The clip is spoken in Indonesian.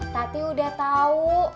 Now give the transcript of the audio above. tati udah tau